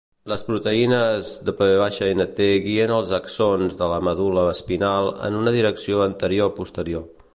Les proteïnes Wnt guien els axons de la medul·la espinal en una direcció anterior-posterior.